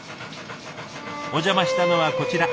お邪魔したのはこちら。